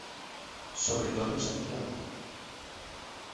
Sobre todo en Santiago.